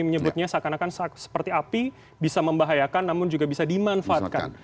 menyebutnya seakan akan seperti api bisa membahayakan namun juga bisa dimanfaatkan